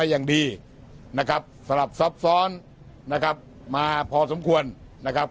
อย่างดีนะครับสลับซับซ้อนนะครับมาพอสมควรนะครับ